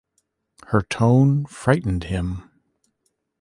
Her tone frightened him.